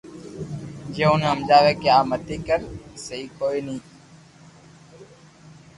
جي اوني ھمجاوي ڪي آ متي ڪر سھي ڪوئي ني ث